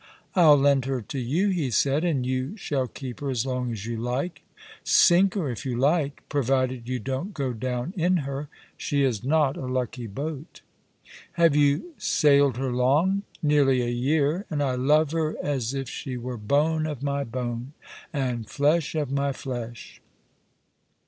' I'll lend her to you/ he said, ' and you shall keep her as long as you like — sink her, if you like — provided you don't go down in her. She is not a lucky boat.' "" Have you sailed her long ?"" Nearly a year, and I love her as if she were bone of my bone, and flesh of my flesh.